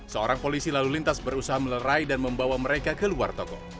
seorang polisi lalu lintas berusaha melerai dan membawa mereka ke luar toko